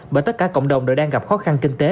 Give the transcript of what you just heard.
bởi tất cả cộng đồng đều đang gặp khó khăn kinh tế